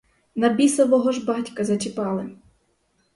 На бісового ж батька зачіпали?